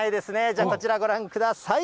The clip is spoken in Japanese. じゃあ、こちらご覧ください。